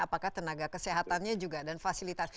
apakah tenaga kesehatannya juga dan fasilitas